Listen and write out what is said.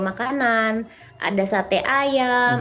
makanan ada sate ayam